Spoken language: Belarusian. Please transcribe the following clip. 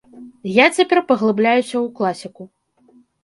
Я цяпер паглыбляюся ў класіку.